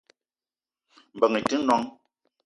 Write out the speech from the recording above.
Mbeng i te noong